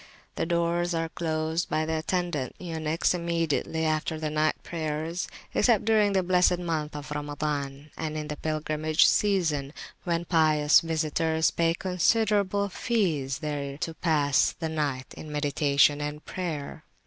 The doors are closed by the attendant eunuchs immediately after the night prayers, except during the blessed month Al Ramazan and in the pilgrimage season, when pious visitors pay considerable fees there to pass the night in meditation and prayer.